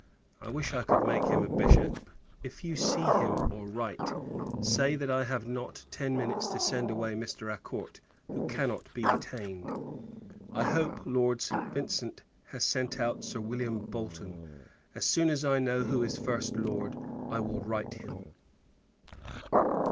I wish I could make him a Bishop. If you see him, or write, say that I have not ten minutes to send away Mr. Acourt, who cannot be detained. I hope Lord St. Vincent has sent out Sir William Bolton. As soon as I know who is first Lord, I will write him.